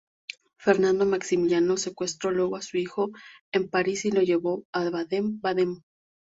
Fernando Maximiliano secuestró luego a su hijo en París y lo llevó a Baden-Baden.